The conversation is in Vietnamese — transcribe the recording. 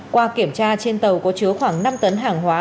qua kiểm tra trên tàu có chứa khoảng năm tấn hàng hóa